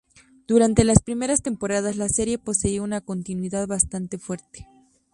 Durante las primeras temporadas, la serie poseía una continuidad bastante fuerte.